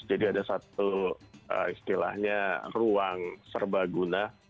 jadi ada satu istilahnya ruang serba guna